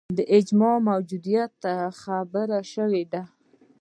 د اجماع موجودیت خبره شوې ده